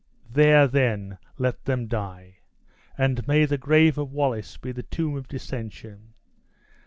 There, then, let them die; and may the grave of Wallace be the tomb of dissension!